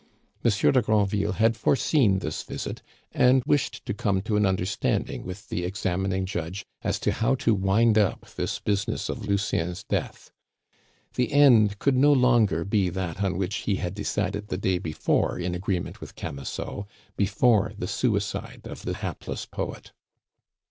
Monsieur de Granville had foreseen this visit, and wished to come to an understanding with the examining judge as to how to wind up this business of Lucien's death. The end could no longer be that on which he had decided the day before in agreement with Camusot, before the suicide of the hapless poet.